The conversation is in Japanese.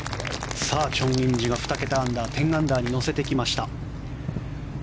チョン・インジが２桁アンダー１０アンダーに乗せてきました。